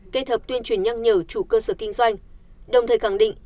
kết hợp tuyên truyền nhắc nhở chủ cơ sở kinh doanh đồng thời khẳng định